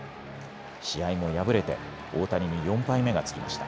試合も敗れて大谷に４敗目がつきました。